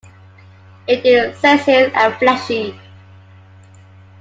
It is sessile and fleshy.